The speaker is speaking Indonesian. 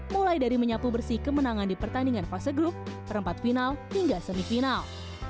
mulai dari menyapu bersih kemenangan di pertandingan fase grup perempat final hingga semifinal